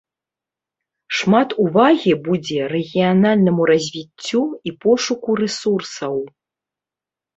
Шмат увагі будзе рэгіянальнаму развіццю і пошуку рэсурсаў.